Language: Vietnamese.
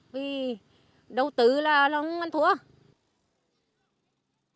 vì đầu tư là không ăn thua